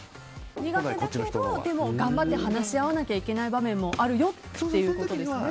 苦手だけど頑張って話し合わなきゃいけない場面もあるよっていうことですね。